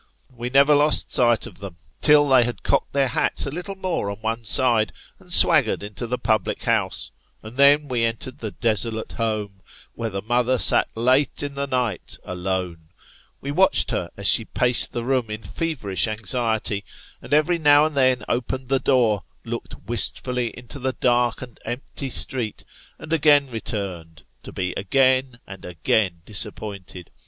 We never lost sight of them, till they had cocked their hats a little more on one side, and swaggered into the public house ; and then we entered the desolate home, where the mother sat late in the night, alone ; we watched her, as she paced the room in feverish anxiety, and every now and then opened the door, looked wistfully into the dark and empty street, and again returned, to be again and again disappointed.